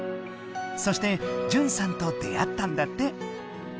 そして淳さんと出会ったんだって。